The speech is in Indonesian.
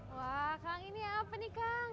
wah kang ini apa nih kang